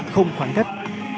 không khoảng cách